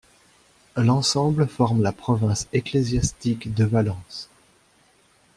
L'ensemble forme la province ecclésiastique de Valence.